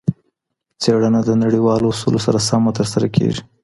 څېړنه د نړیوالو اصولو سره سمه ترسره کیږي.